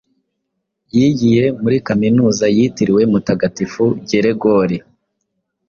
Yigiye muri Kaminuza yitiriwe Mutagatifu Geregori.